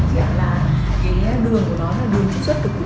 dạng là cái đường của nó là đường chất xuất của củ cải